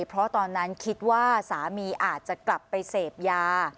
เพราะตอนนั้นคิดว่าสามีอาจจะกลับไปเสพยา